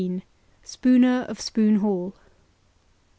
SPOONER OF SPOON HALL.